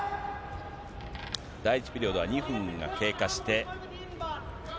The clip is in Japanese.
第１ピリオドは２分が経過して。